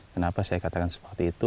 kenapa saya katakan seperti itu